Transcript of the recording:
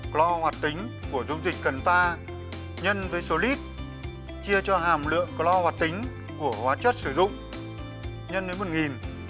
clor hoạt tính của dung dịch cần pha nhân với solid chia cho hàm lượng clor hoạt tính của hóa chất sử dụng nhân với một nghìn